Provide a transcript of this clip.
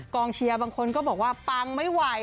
เชียร์บางคนก็บอกว่าปังไม่ไหว